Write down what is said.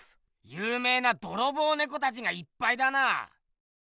ゆうめいなドロボウネコたちがいっぱいだな。